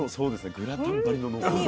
グラタン張りの濃厚さ。